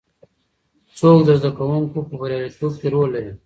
څوک د زده کوونکو په بریالیتوب کې رول لري؟